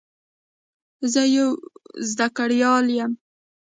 زه یو زده کړیال یم.